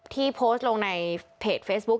ที่โพสต์ลงในเพจเฟซบุ๊ค